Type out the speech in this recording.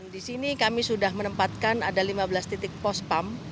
di sini kami sudah menempatkan ada lima belas titik pospam